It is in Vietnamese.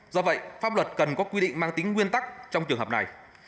do vậy pháp luật cần có quy định mang tính nguyên tắc trong trường hợp này